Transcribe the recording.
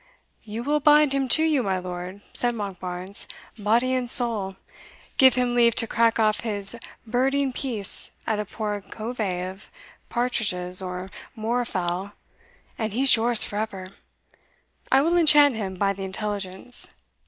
"You will bind him to you, my lord," said Monkbarns, "body and soul: give him leave to crack off his birding piece at a poor covey of partridges or moor fowl, and he's yours for ever I will enchant him by the intelligence.